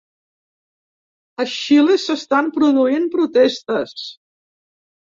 A Xile s'estan produint protestes